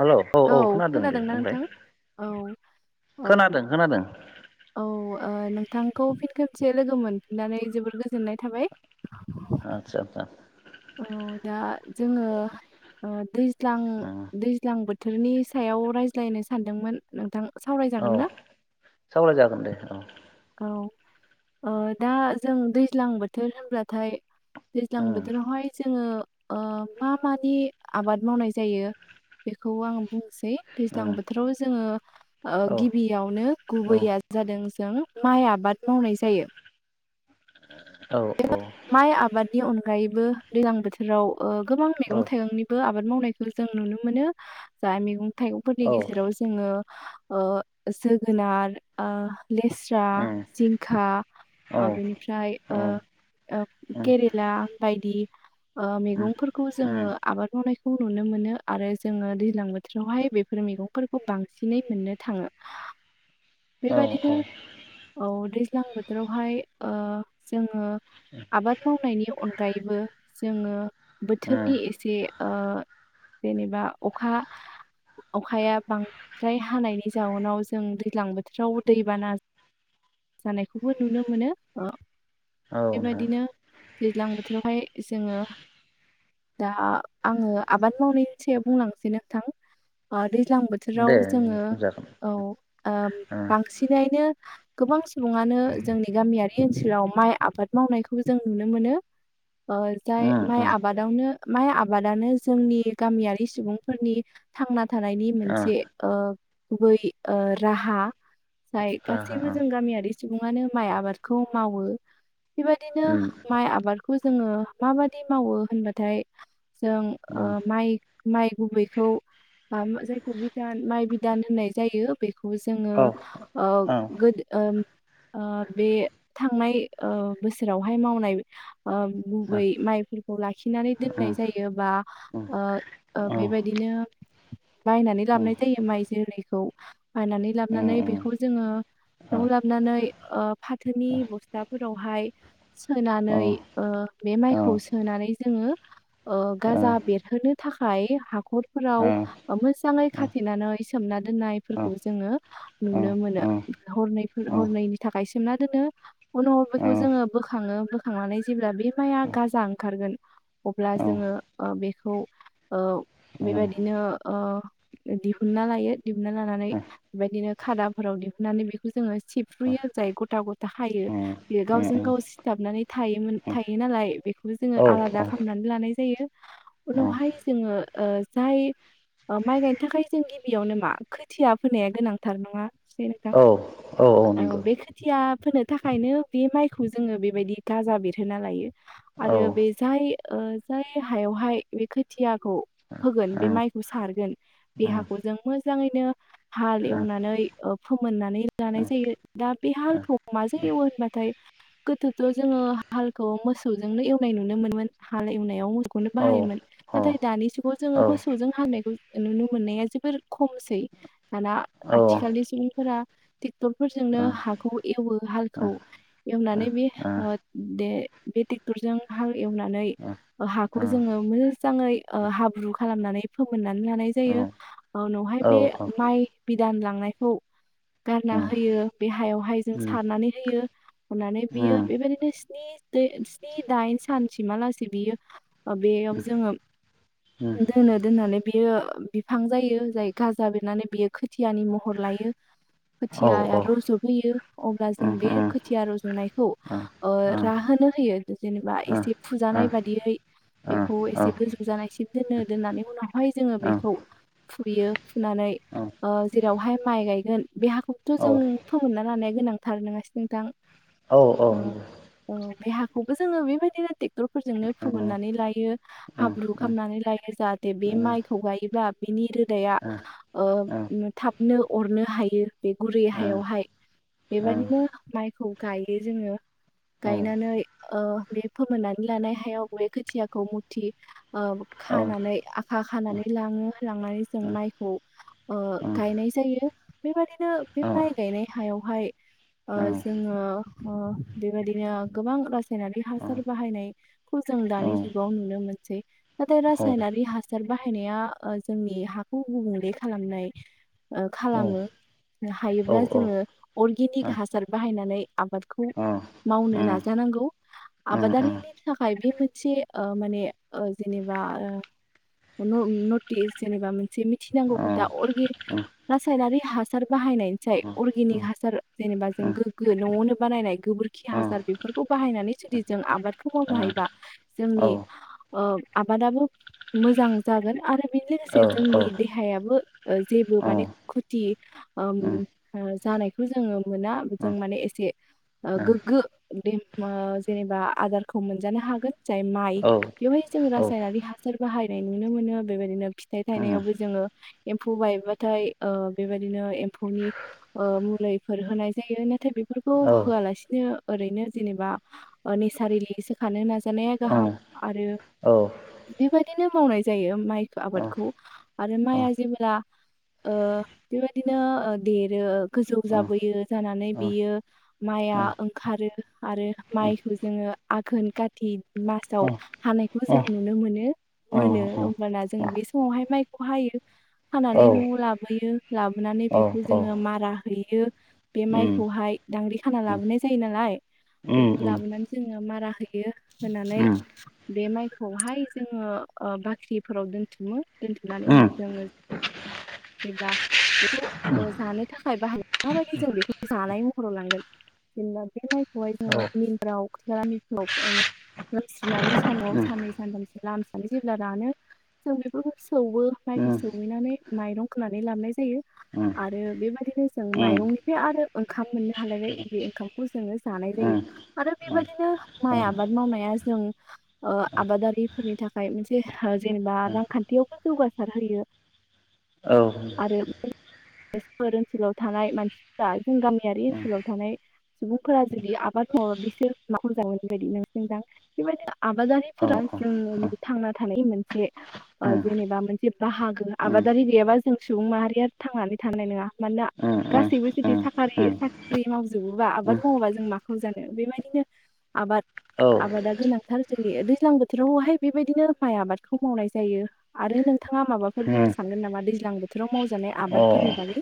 Hello औ औ खोनादों दे खोनादोंना बुंलाय नोंथां औ औ खोनादों खोनादों। औ ओ नोंथांखौ फिन खेबसे लोगो मोनफिननानै जोबोर गोजोननाय थाबाय। आदसा आदसा औ दा जोङो ओ दैज्लां उम दैज्लां बोथ थोरनि सायाव रायज्लायनो सानदोंमोन नोंथां। औ सावरायजागोन ना सावराय जागोन दे औ। औ ओ दा जों दैज्लां बोथोर होनब्लाथाय दैज्लां उम बोथ जोङो ओ मा मानि आबाद मावनाय जायो बेखौ आं बुंनो सै दैज्लां उम बोथोराव जोङो ओ औ गिबियावनो औ गुबैया जादों जों माइ आबाद मावनाय जायो। औ। औ माइ आबाद नि अनगायैबो दैज्लां बोथोराव ओ गोबां औ मैगं थाइंनिबो आब बाद मावनायखौ जों नुनो मोनो जा मैगं थाइगंफोरनि औ गेजेराव जोङो ओ जोगोनार ओ लेस्रा उम जिंखा औ ओ बेनिफ्राय औ ओ ओ उम केरेला ओम बायदि ओ मैगंफोरखौ उम जोङो आबाद मावनाय खौ नुनो मोनो आरो जोङो दैज्लां बोथोरावहाय बेफोर मैगंफोरखौ बांसिनै मोननो थाङो। औ बेबायदिनो औ उम औ औ दै ज्लां बोथोरावहाय ओ जोङो आबाद मावनायनि अन गायबो जोङो बोथोरनि एसे ओ जेनेबा अखा अखाया बांद्राय हानायनि जाउनाव जों दैज्लां बोथोर बोथोराव दैबाना जानायखौबो नुनो मोनो। औ। बेबायदिनो दैज्लां बोथोरावहाय जोङो दा आङो आबाद मावनायनि सायाव बुंलांसै नोंथां ओ दै ज्लां दे बोथोराव जोङो बुंजागोन औ ओ उम बांसिनैनो गोबां स सुबङानो जोंनि गामियारि बे ओनसोलाव माइ आबाद मावनायखौबो जों नुनो मोनो। ओ जाय उम माइ उम आबादावनो माइ आबादानो जोंनि गामियारि सुबुंफोरनि थांना थानायनि मोनसे ओ गुबै ओ राहा। जाय गासैबो जों गामियारि सुबुङानो माइ आबादखौ मावो। बेबायदिनो माइ आबादखौ जोङो माबादि मावो होनबाथाय जों ओ माइ माइ गुबैखौ मा मा जायखौ बिथान माइ बि धान होननाय जायो बे खौ जोङो ओ ओ गोद ओम ओ बे थां नाय ओ बोसोरावहाय मावनाय ओ गुबै माइफोरखौ लाखिनानै दोननाय उम उम जायो बा ओ ओ औ बेबायदिनो बायनानै उम उम औ उम लाबनाय जायो माइ जेरैखौ बायनानै लाबनानै उम उम औ बेखौ जोङो औ न'वाव औ लाबनानै ओ फाथोनि बस्था फोरावहाय सोनानै ओ बे औ माइखौ सोनानै जोङो ओ गाजा बेरहोनो थाखाय हा रफोराव ओ मोजाङै ओ खा थेनानै सोमना औ दोननायफोरखौ जोङो नुनो औ मोनो हरनैफोर औ नंगौ हरनैनि थाखाय सोमना दोनो उनाव औ बेखौ जोङो बोखाङो बोखांनानै जेब्ला बे माइआ गाजा ओंखारगोन अब्ला औ जोङो ओ बेखौ ओ बेबायदिनो ओ दिहुनना लायो दिहुनन्ना लानानै बेबायदिनो खादाफोराव दिहुननानै बेखौ जोङो सिबफ्रुयो औ जाय गथा गथा हायो बेयो गावजों गाव सिथाबनानै थायोमोन थायो नालाय बेखौ बो जोङो आलादा खामनानै लानाय जायो उनावहाय जोङो ओ जाय ओ माइ गायनो थाखाय जों गिबियावनो मा खोथिया फोनाया गोनां थार नङासै नोंथां औ बे खोथिया फोनो थाखायनो बे माइखौ जोङो बेबायदि गाजा बेरहोना लायो आरो बे जाय ओ जाय हायावहाय बे खोथियाखौ फोगोन बे माइखौ सारगोन बे हाखौ जों मोजाङैनो हाल औ एवनानै ओ फोमोननानै लानाय जायो दा बे हालखौ माजों एवो होनबाथाय गोथोथ' जोङो हालखौ मोसौजोंनो एवनाय नुनो मोनोन हाल एवनायाव मोसौखौनो बाहायोमोन नाथाय दानि जुगाव जोङो मोसौजों हालनायखौ नुनो मोननाया जोबोर खमसै दाना आथिखालनि सुबुंफोरा ट्रेक्टरफोरजोंनो हाखौ एवो हालखौ एवनानै बे ओ दे बे ट्रेक्टरजों हाल एवनानै हाखौ जोङो मोजाङै ओ हाब्रु खालामनानै फोमोननानै लानाय जायो ओ उनावहाय बे माइ बिदान लांनायखौ गारना होयो बे हायावहाय जों सारनानै होयो अरनानै बियो बेबायदिनो स्नि स्नि स्नि दाइन सानसिमालासेै बियो ओ बेयाव जोङो गारना दोननानै बियो बिफां जायो जाय गाजा बेरनानै बियो खोथियानि महर लायो खोथिया रज'बोयो अब्ला जों बे खोथिया रज'नायखौ ओ राहोनो होयो जेनेबा एसे फुजानाय बादियै बेखौ एसे गोजौ जानायसिम दोनो दोननानै उनावहाय जोङो बेखौ फुयो फुनानै ओ जेरावहाय माइ गायगोन बे हाखौथ' जों फोमोनना लानाया गोनांथार नोङासै नोंथां ओ ओ बे हाखौबो जोङो बेबायदिनो ट्रेक्टरफोरजोंनो औ औ फोमोननानै लायो औ हाब्रु खालामनानै लायो जाहाथे बे माइखौ गायोब्ला बिनि रोदाया ओ थाबनो अरनो हायो बे गुरै हायावहाय बेबायदिनो माइखौ गायो जोङो गायनानै ओ बे फोमोननानै लानाय हायाव बे खोथियाखौ मुथि ओ खानानै आखा खानानै लाङो लांनानै जों माइखौ ओ गायनाय जायो बेबादिनो बे माइ गायनाय हायावहाय ओ जोङो बेबादिनो गोबां रासायनारि हासार बाहायनायखौ जों दानि जुगाव नुनो मोनसै। नाथाय रासायनारि हासार हासार बाहायनाया ओ जोंनि हाखौ गुबुंले खालामनाय ओ खालामो। हायोब्ला जोङो अरगेनिक हासार बाहायनानै आबादखौ मावनो नाजानांगौ आबादारिनि थाखाय बे मोनसे ओ माने ओ जेनेबा ओ न-नटिस जेनेबा मोनसे मिथिनांगौ खोथा अरगे रासायनारि हासार बाहायनायनिसाय अर्गेनिक हासार जेनेबा जों गोग्गो न'आवनो बानायनाय गोबोरखि हासार बेफोरखौ बाहायनानै जुदि जों आबादखौ मावनो हायोबा जोंनि ओ आबादाबो मोजां जागोन आरो बेनि लोगोसे जोंनि देहायाबो ओ जेबो माने खुथि ओम ओ जानायखौ जोङो मोना जों माने एसे ओ गोग्गो बे मा जेनेबा आदारखौ मोनजानो हागोन जाय माइ बेवहाय जों रासायनारि हासार बाहायनाय नुनो मोनो बेबायदिनो फिथाइ थायनायावबो जोङो एम्फौ बायोबाथाय ओ बेबायदिनो एम्फौनि ओ मुलिफोर होनाय जायो नाथाय बेफोरखौ होआलासिनो ओरैनो जेनेबा ओ नेसारेलि सोखानो नाजानाया गाहाम आरो बेबायदिनो मावनाय जायो माइ आबादखौ आरो माइआ जे ब्ला ओ बेबायदिनो ओ देरो गोजौ जाबोयो जानानै बियो माइआ ओंखारो आरो माइखौ जोङो आघोन काति मासाव हानायखौ जों नुनो मोनो मोनो होमबाना जों बे समावहाय माइखौ हायो। हानानै न'आव लाबोयो लाबोनानै बेखौ जोङो मारा हैयो बे औ माइखौहाय दांग्रि खाना दा लाबोनाय जायो नालाय बेखौ लाबोनानै जोङो मारा होयो होनानै बे माइखौहाय जोङो ओ बाख्रिफोराव दोनथुमो दोनथुमनानै उनाव जोङो जेब्ला बेखौ अ जानो थाखाय बाहाय माबायदि जों बेखौ जानाय महराव लांगोन जेनेबा बे माइखौहाय जोङो मिलफ्राव खथिथलाामलफ्राव लोमस्रिनानै सान'आव साननै सानथामसो लामसनानै जेब्ला रानो जों बेफोरखौ सौवो माइखौ सौहैनानै माइरं खोनानै लाबाय जायो आरो बेबायदिनो जों माइरंनिफ्राय आरो ओंखाम मोननो हालायबाय बे ओंखामखौ जोङो जानाय जायो आरो बेबायदिनो माइ आबाद मावनाया जों अ आबादारिफोरनि थाखाय मोनसे जेनेबा रांखान्थियावबो जौगासार होयो आरो बे ओनसोलाव थानाय मानसिफोरा जों गामियारि ओनसोलाव थानाय सुबुंफोरा जुदि आबाद मावाला बिसोरखज मोनोन बेबायदि नोंसिजां बेबायदि आबादारिफोरा जोंनि थांना थानाय मोनसे अ जेनेबा मोनसे बाहागो आबादारि गैयाबा जों सुबुं माहारिया थांनानै थानाय नङा मानोना गासैबो जुदि सखारि साख्रि मावजोबोबा आबाद मावाबा जों माखौ जानो बेबायदिनो आबाद आबादा गोनांथार जोंनि दैज्लां बोथोरावहाय बेबायदिनो माइ आबादखौ मावनाय जायो आरो नोंथाङा माबाफो फोर बुंनो सानगोन नामा दैज्लां बोथोराव मावजानाय आबादफोरनि बागै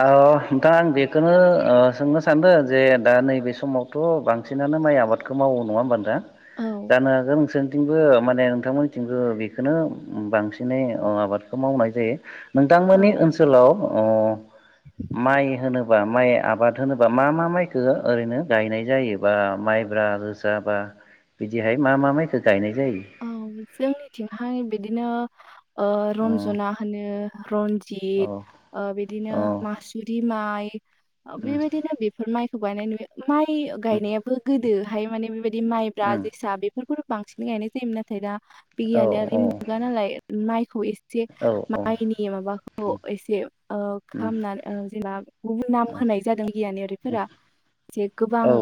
अ नोंथां आं बेखौनो अ सोंनो सानदों जे दा नैबे समावथ' बांसिनानो माइ आबादखौ मावो नङा होनोमबा नोथां औ जानो हागोन नोंसोर थिंबो माने नोंथांमोननिथिंबो बेखौनो बांसिनै अ आबादखौ मावनाय जायो औ नोंथांमोननि ओनसोलाव ओ माइ होनोबा माइ आबाद होनोबा मा मा माइखौ ओरैनो गायनाय जायो बा माइब्रा जोसा बा बिदिहाय मा मा माइखौ गायनाय जायो औ जोंनिथिंहाय बिदिनो औ रन्जना होनो रनजि- जित बिदिनो औ मासुरि माइ उम बेबायदिनो बेफोर माइखौ गायनाय नु माइ उम गायनायाबो गो- दोहाय माने बेबाद- दि माइब्रा उम जोसा बेफोरखौ बांसिन गायनो जायोमोन नाथाय दा औ बिगियानारि औ मुगा नालाय माइ खौ एस [unintelligible] दि औ बेबायदिनो उम औ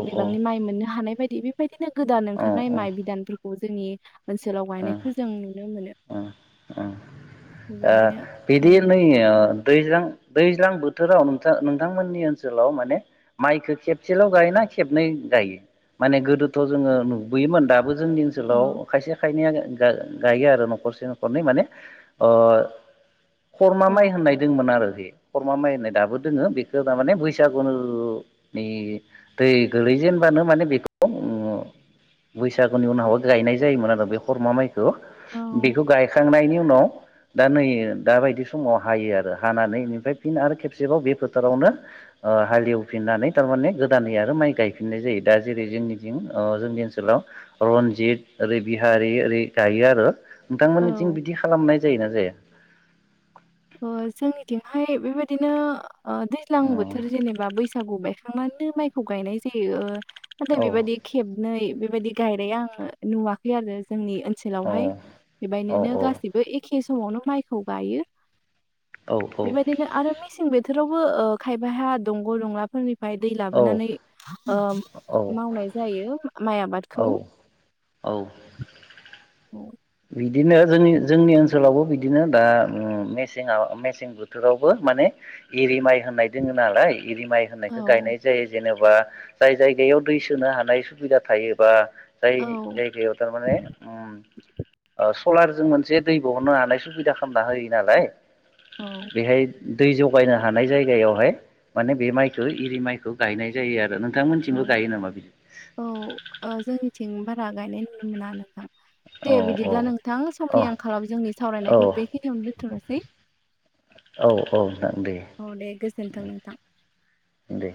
गोदान ओंखारनाय औ माइ बिदानफोर खौ जोंनि ओनसोलाव औ गायनायखौ जों नुनो मोनो। अ बेबायदिनो बिदि गायो। नै ओ औ दैज्लां दै ज्लां बोथोराव नोंथां नोंथांमोननि ओनसोलाव माने माइखो खेबसेल' गायोना खेबनै गायो? माने गोदोथ' जोङो नुबोयोमोन दाबो जोंनि औ ओनसोलाव खायसे खायनैया गाय गायो आरो न'खरसे न'खरनै माने ओ खरमा माइ होननाय दोङोमोन आरो बे खरमा माइ होननाय दाबो दोङो बेखो तारमाने बैसागुनि दै गोलैजेनबानो माने बेखौ बैसागुनि उनावबो गायनाय जायोमोन आरो बे खरमा माइ खौ औ बेखौ गायखांनायनि उनाव दा नै दा बायदि समाव हायो आरो। हानानै इनिफ्राय फि आरो खेबसेबाव बे फोथारावनो ओ हालेवफिननानै थारमाने गोदानै आरो माइ गायफिननाय जायो। दा जेरै जोंनिथिं जोंनि ओन सोलाव रन्जित ओरै बिहारि ओरै गायो आरो औ नोंथांमोननिथिं बिदि खालामनाय जायोना जाया। ओ जोंनिथिंहाय बेबायदिनो ओ दैज्लां बोथोर औ जेनेबा बैसागु बायखांनानै माइखौ गायनाय जायो। ओ नाथाय बेबायदि खेबनै बे बायदि गायनाय आं नुवाखै आरो जोंनि औ ओनसोलावहाय। औ बेबायदिनो गासिबो एखे समावनो माइखौ गायो। औ बेबायदिनो आरो मेसें बो थोरावबो ओ खायफाहा दंग' दंलाफोरनि फाय दै औ लाबोनानै ओ मावनाय जायो मा औ औ। औ। बिदिनो जोंनि जोंनि ओनसोलावबो बिदिनो दा उम मेसेङाव मेसें बोथोरावबो माने एरि माइ होननाय दोङो नालाय एरि माइ होननायखो औ गायनाय जायो जेने बा जाय जायगायाव दै सोनो हानाय सुबिदा थायो बा जाय औ जायगायाव थारमाने उम सलारजों मोनसे दै बहरनो हानाय सुबिदा खालामना होयो नालाय। औ बेहाय दै जगायनो हानाय जायगायावहाय माने बे माइखौ इरि माइखौ गायनाय जायो आ रो नोंथांमोनसिमबो औ गायो नामा बिदि? थिं बारा गायनाय नुनो मोना नोंथां औ दे बिदिब्ला नोंथां औ समनि आंखालाव जोंनि औ सावरायनायखौ बेखिनियावनो दोनथ'नो सै औ औ नों दे गोजोन्थों नोंथां दे।